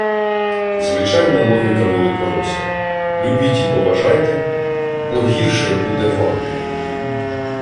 Звичайна логіка великороса: любіть і поважайте, бо гірше буде вам же